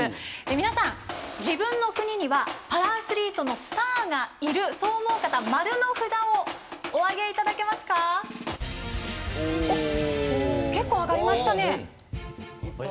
皆さん、自分の国にはパラアスリートのスターがいるそう思う方は○の札をお挙げください。